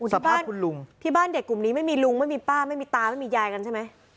สภาพคุณลุงที่บ้านเด็กกลุ่มนี้ไม่มีลุงไม่มีป้าไม่มีตาไม่มียายกันใช่ไหม